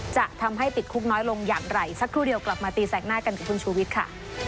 จะทำให้ติดคุกน้อยลงอย่างไรสักครู่เดียวกลับมาตีแสกหน้ากันกับคุณชูวิทย์ค่ะ